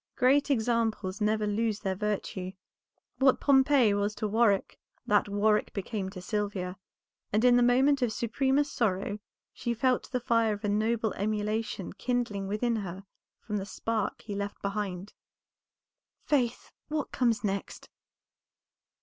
Great examples never lose their virtue; what Pompey was to Warwick that Warwick became to Sylvia, and in the moment of supremest sorrow she felt the fire of a noble emulation kindling within her from the spark he left behind. "Faith, what comes next?"